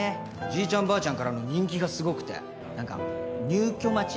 じいちゃんばあちゃんからの人気がすごくてなんか入居待ち？